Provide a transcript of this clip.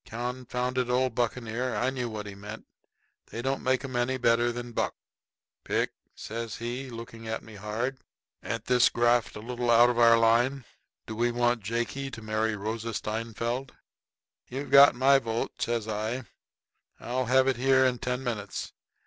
Confounded old buccaneer I knew what he meant. They don't make them any better than Buck. "Pick," says he, looking at me hard, "ain't this graft a little out of our line? Do we want Jakey to marry Rosa Steinfeld?" "You've got my vote," says I. "I'll have it here in ten minutes."